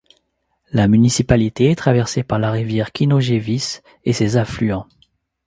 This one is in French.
La municipalité est traversée par la rivière Kinojévis et ses affluents.